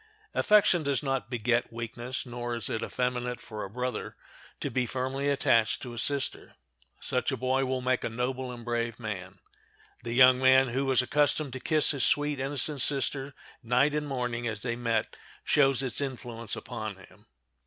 Affection does not beget weakness, nor is it effeminate for a brother to be firmly attached to a sister. Such a boy will make a noble and brave man. The young man who was accustomed to kiss his sweet, innocent sister night and morning as they met shows its influence upon him.